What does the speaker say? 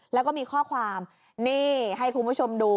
แล้วก็มีข้อความนี่ให้คุณผู้ชมดู